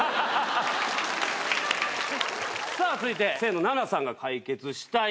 続いて清野菜名さんが解決したいこと。